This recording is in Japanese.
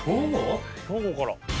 兵庫から。